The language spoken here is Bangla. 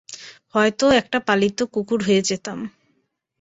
হয়তো একটা পালিত কুকুর হয়ে যেতাম।